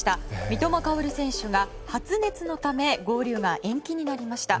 三笘薫選手が発熱のため合流が延期になりました。